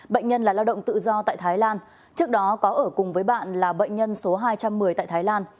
bệnh nhân là lao động tự do tại thái lan trước đó có ở cùng với bạn là bệnh nhân số hai trăm một mươi tại thái lan